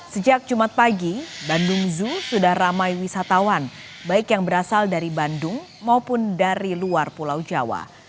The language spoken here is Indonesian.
sejak jumat pagi bandung zoo sudah ramai wisatawan baik yang berasal dari bandung maupun dari luar pulau jawa